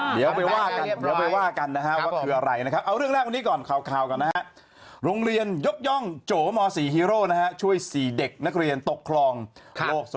เดี๋ยวไปว่ากันว่าคืออะไรนะครับ